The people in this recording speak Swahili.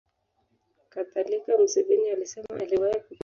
Kadhalika Museveni alisema aliwahi kupita kwenye kivuko cha Busisi